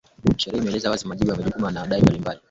Sheria imeeleza wazi wajibu na majukumu yawadau mbalimbali